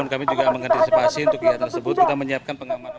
kami juga mengantisipasi untuk kegiatan tersebut